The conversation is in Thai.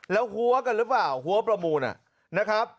แล้วหัวกันหรือเปล่าหัวประมูลนะครับ